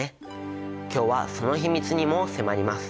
今日はその秘密にも迫ります。